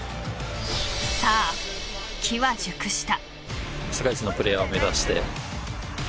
さあ、機は熟した。